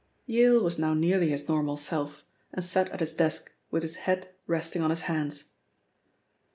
Yale was now nearly his normal self, and sat at his desk with his head resting on his hands.